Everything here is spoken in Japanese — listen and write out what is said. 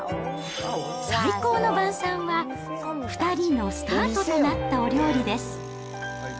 最高の晩さんは、２人のスタートとなったお料理です。